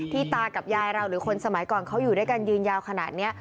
ตากับยายเราหรือคนสมัยก่อนเขาอยู่ด้วยกันยืนยาวขนาดนี้